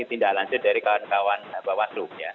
tindak lanjut dari kawan kawan bawaslu